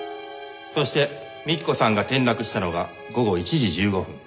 そして幹子さんが転落したのが午後１時１５分。